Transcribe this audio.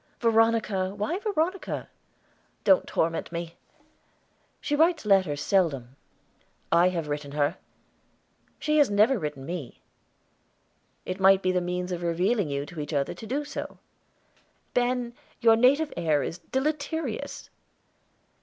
"Veronica! Why Veronica?" "Don't torment me." "She writes letters seldom." "I have written her." "She has never written me." "It might be the means of revealing you to each other to do so." "Ben, your native air is deleterious."